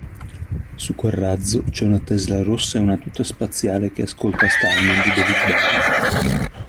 Su quel razzo c'è una Tesla rossa e una tuta spaziale che ascolta Starman di David Bowie.